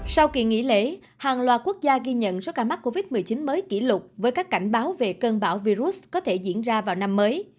sau kỳ nghỉ lễ hàng loạt quốc gia ghi nhận số ca mắc covid một mươi chín mới kỷ lục với các cảnh báo về cơn bão virus có thể diễn ra vào năm mới